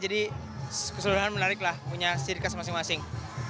jadi keseluruhan menarik lah punya ciri khas masing masing